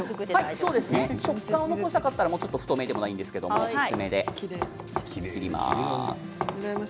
食感を残したかったらもう少し太めでも大丈夫ですが薄めで切ります。